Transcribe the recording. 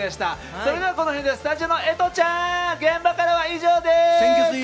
それではこの辺で、スタジオのえとちゃん、現場からは以上です！